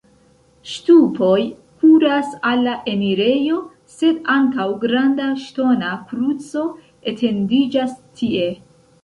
Ŝtupoj kuras al la enirejo, sed ankaŭ granda ŝtona kruco etendiĝas tie.